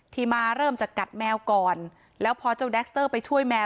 ที่มาเริ่มจะกัดแมวก่อนแล้วพอเจ้าแดคเตอร์ไปช่วยแมว